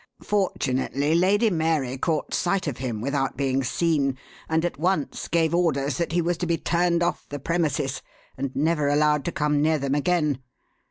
Fortunately, Lady Mary caught sight of him without being seen, and at once gave orders that he was to be turned off the premises, and never allowed to come near them again.